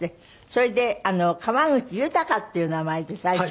それで川口豊っていう名前で最初は。